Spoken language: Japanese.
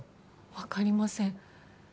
分かりません